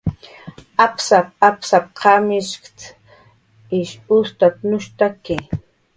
"Apsap"" apsap"" qamishkt"" ish ustatnushuntaki"